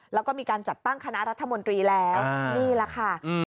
แล้วก็มีการจัดตั้งคณะรัฐมนตรีแล้วนี่แหละค่ะ